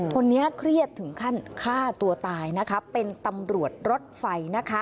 คนนี้เครียดถึงขั้นฆ่าตัวตายนะคะเป็นตำรวจรถไฟนะคะ